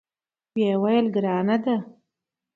ویې ویل: ګرانه ده.